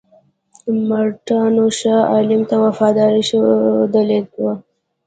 مرهټیانو شاه عالم ته وفاداري ښودلې وه.